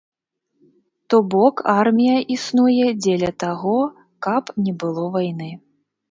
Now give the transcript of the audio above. То бок, армія існуе дзеля таго, каб не было вайны.